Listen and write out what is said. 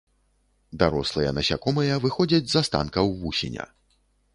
Дарослыя насякомыя выходзяць з астанкаў вусеня.